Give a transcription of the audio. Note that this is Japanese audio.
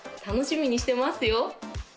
楽しみにしてますよ